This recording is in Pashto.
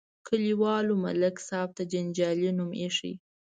کلیوالو ملک صاحب ته جنجالي نوم ایښی.